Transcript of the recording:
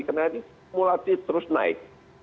karena ini mulati terus naik